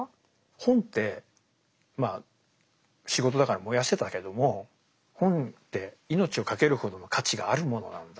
本ってまあ仕事だから燃やしてたけども本って命をかけるほどの価値があるものなんだ。